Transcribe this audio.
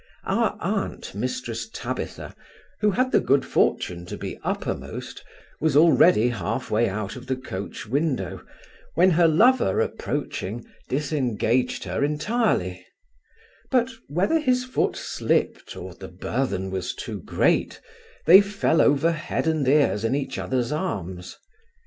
Our aunt, Mrs Tabitha, who had the good fortune to be uppermost, was already half way out of the coach window, when her lover approaching, disengaged her entirely; but, whether his foot slipt, or the burthen was too great, they fell over head and ears in each others' arms.